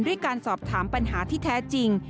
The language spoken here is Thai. ด้วยการสอบถามปัญหาที่แท้จริง